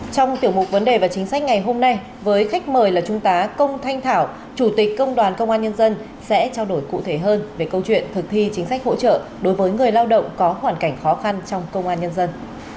trong tiểu mục vấn đề và chính sách ngày hôm nay với khách mời là trung tá công thanh thảo chủ tịch công đoàn công an nhân dân sẽ trao đổi cụ thể hơn về câu chuyện thực thi chính sách hỗ trợ đối với người lao động có hoàn cảnh khó khăn trong công an nhân dân